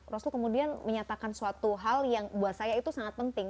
rasul kemudian menyatakan suatu hal yang buat saya itu sangat penting